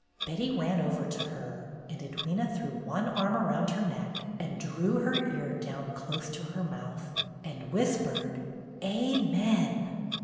Betty ran over to her, and Edwyna threw one arm around her neck and drew her ear down close to her mouth, and whispered ''Amen!